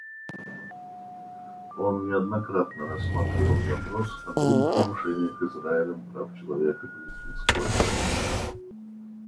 Он неоднократно рассматривал вопрос о грубых нарушениях Израилем прав человека палестинского народа.